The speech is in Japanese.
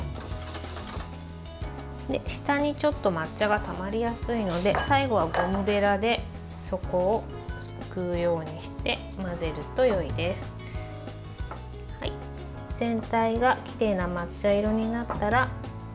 下に、ちょっと抹茶がたまりやすいので最後はゴムべらで底をすくうようにして混ぜるとよいです。